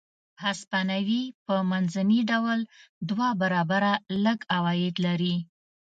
هسپانوي په منځني ډول دوه برابره لږ عواید لرل.